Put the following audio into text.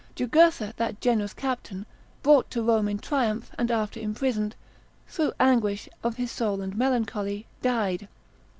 Jugurtha that generous captain, brought to Rome in triumph, and after imprisoned, through anguish of his soul, and melancholy, died.